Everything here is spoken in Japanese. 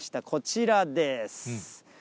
こちらです。